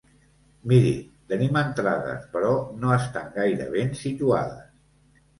Miri, tenim entrades, però no estan gaire ben situades.